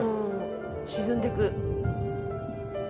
沈んでく。